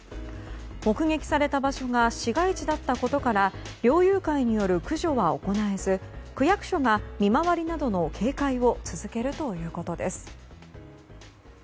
目撃された場所が市街地だったことから猟友会による駆除は行えず区役所が見回りなどの警戒を続けるということです。